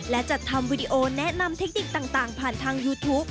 และจัดทำวีดีโอแนะนำเทคนิคต่างผ่านทางยูทูป